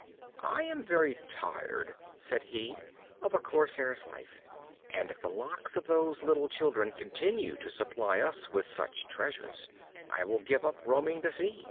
"I am very tired," said he, "of a Corsair's life, and if the locks of those little children continue to supply us with such treasures, I will give up roaming the seas."